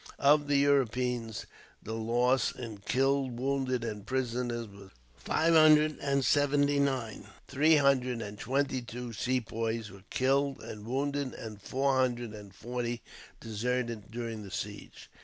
Of the Europeans, the loss in killed, wounded, and prisoners was five hundred and seventy nine. Three hundred and twenty two Sepoys were killed and wounded, and four hundred and forty deserted during the siege.